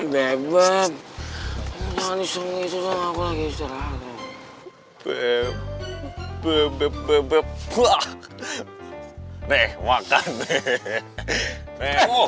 biar gua kasih jurus tak penyakit